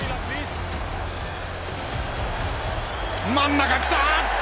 真ん中きた！